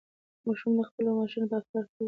موږ د خپلو مشرانو په افکارو خپله لاره روښانه کوو.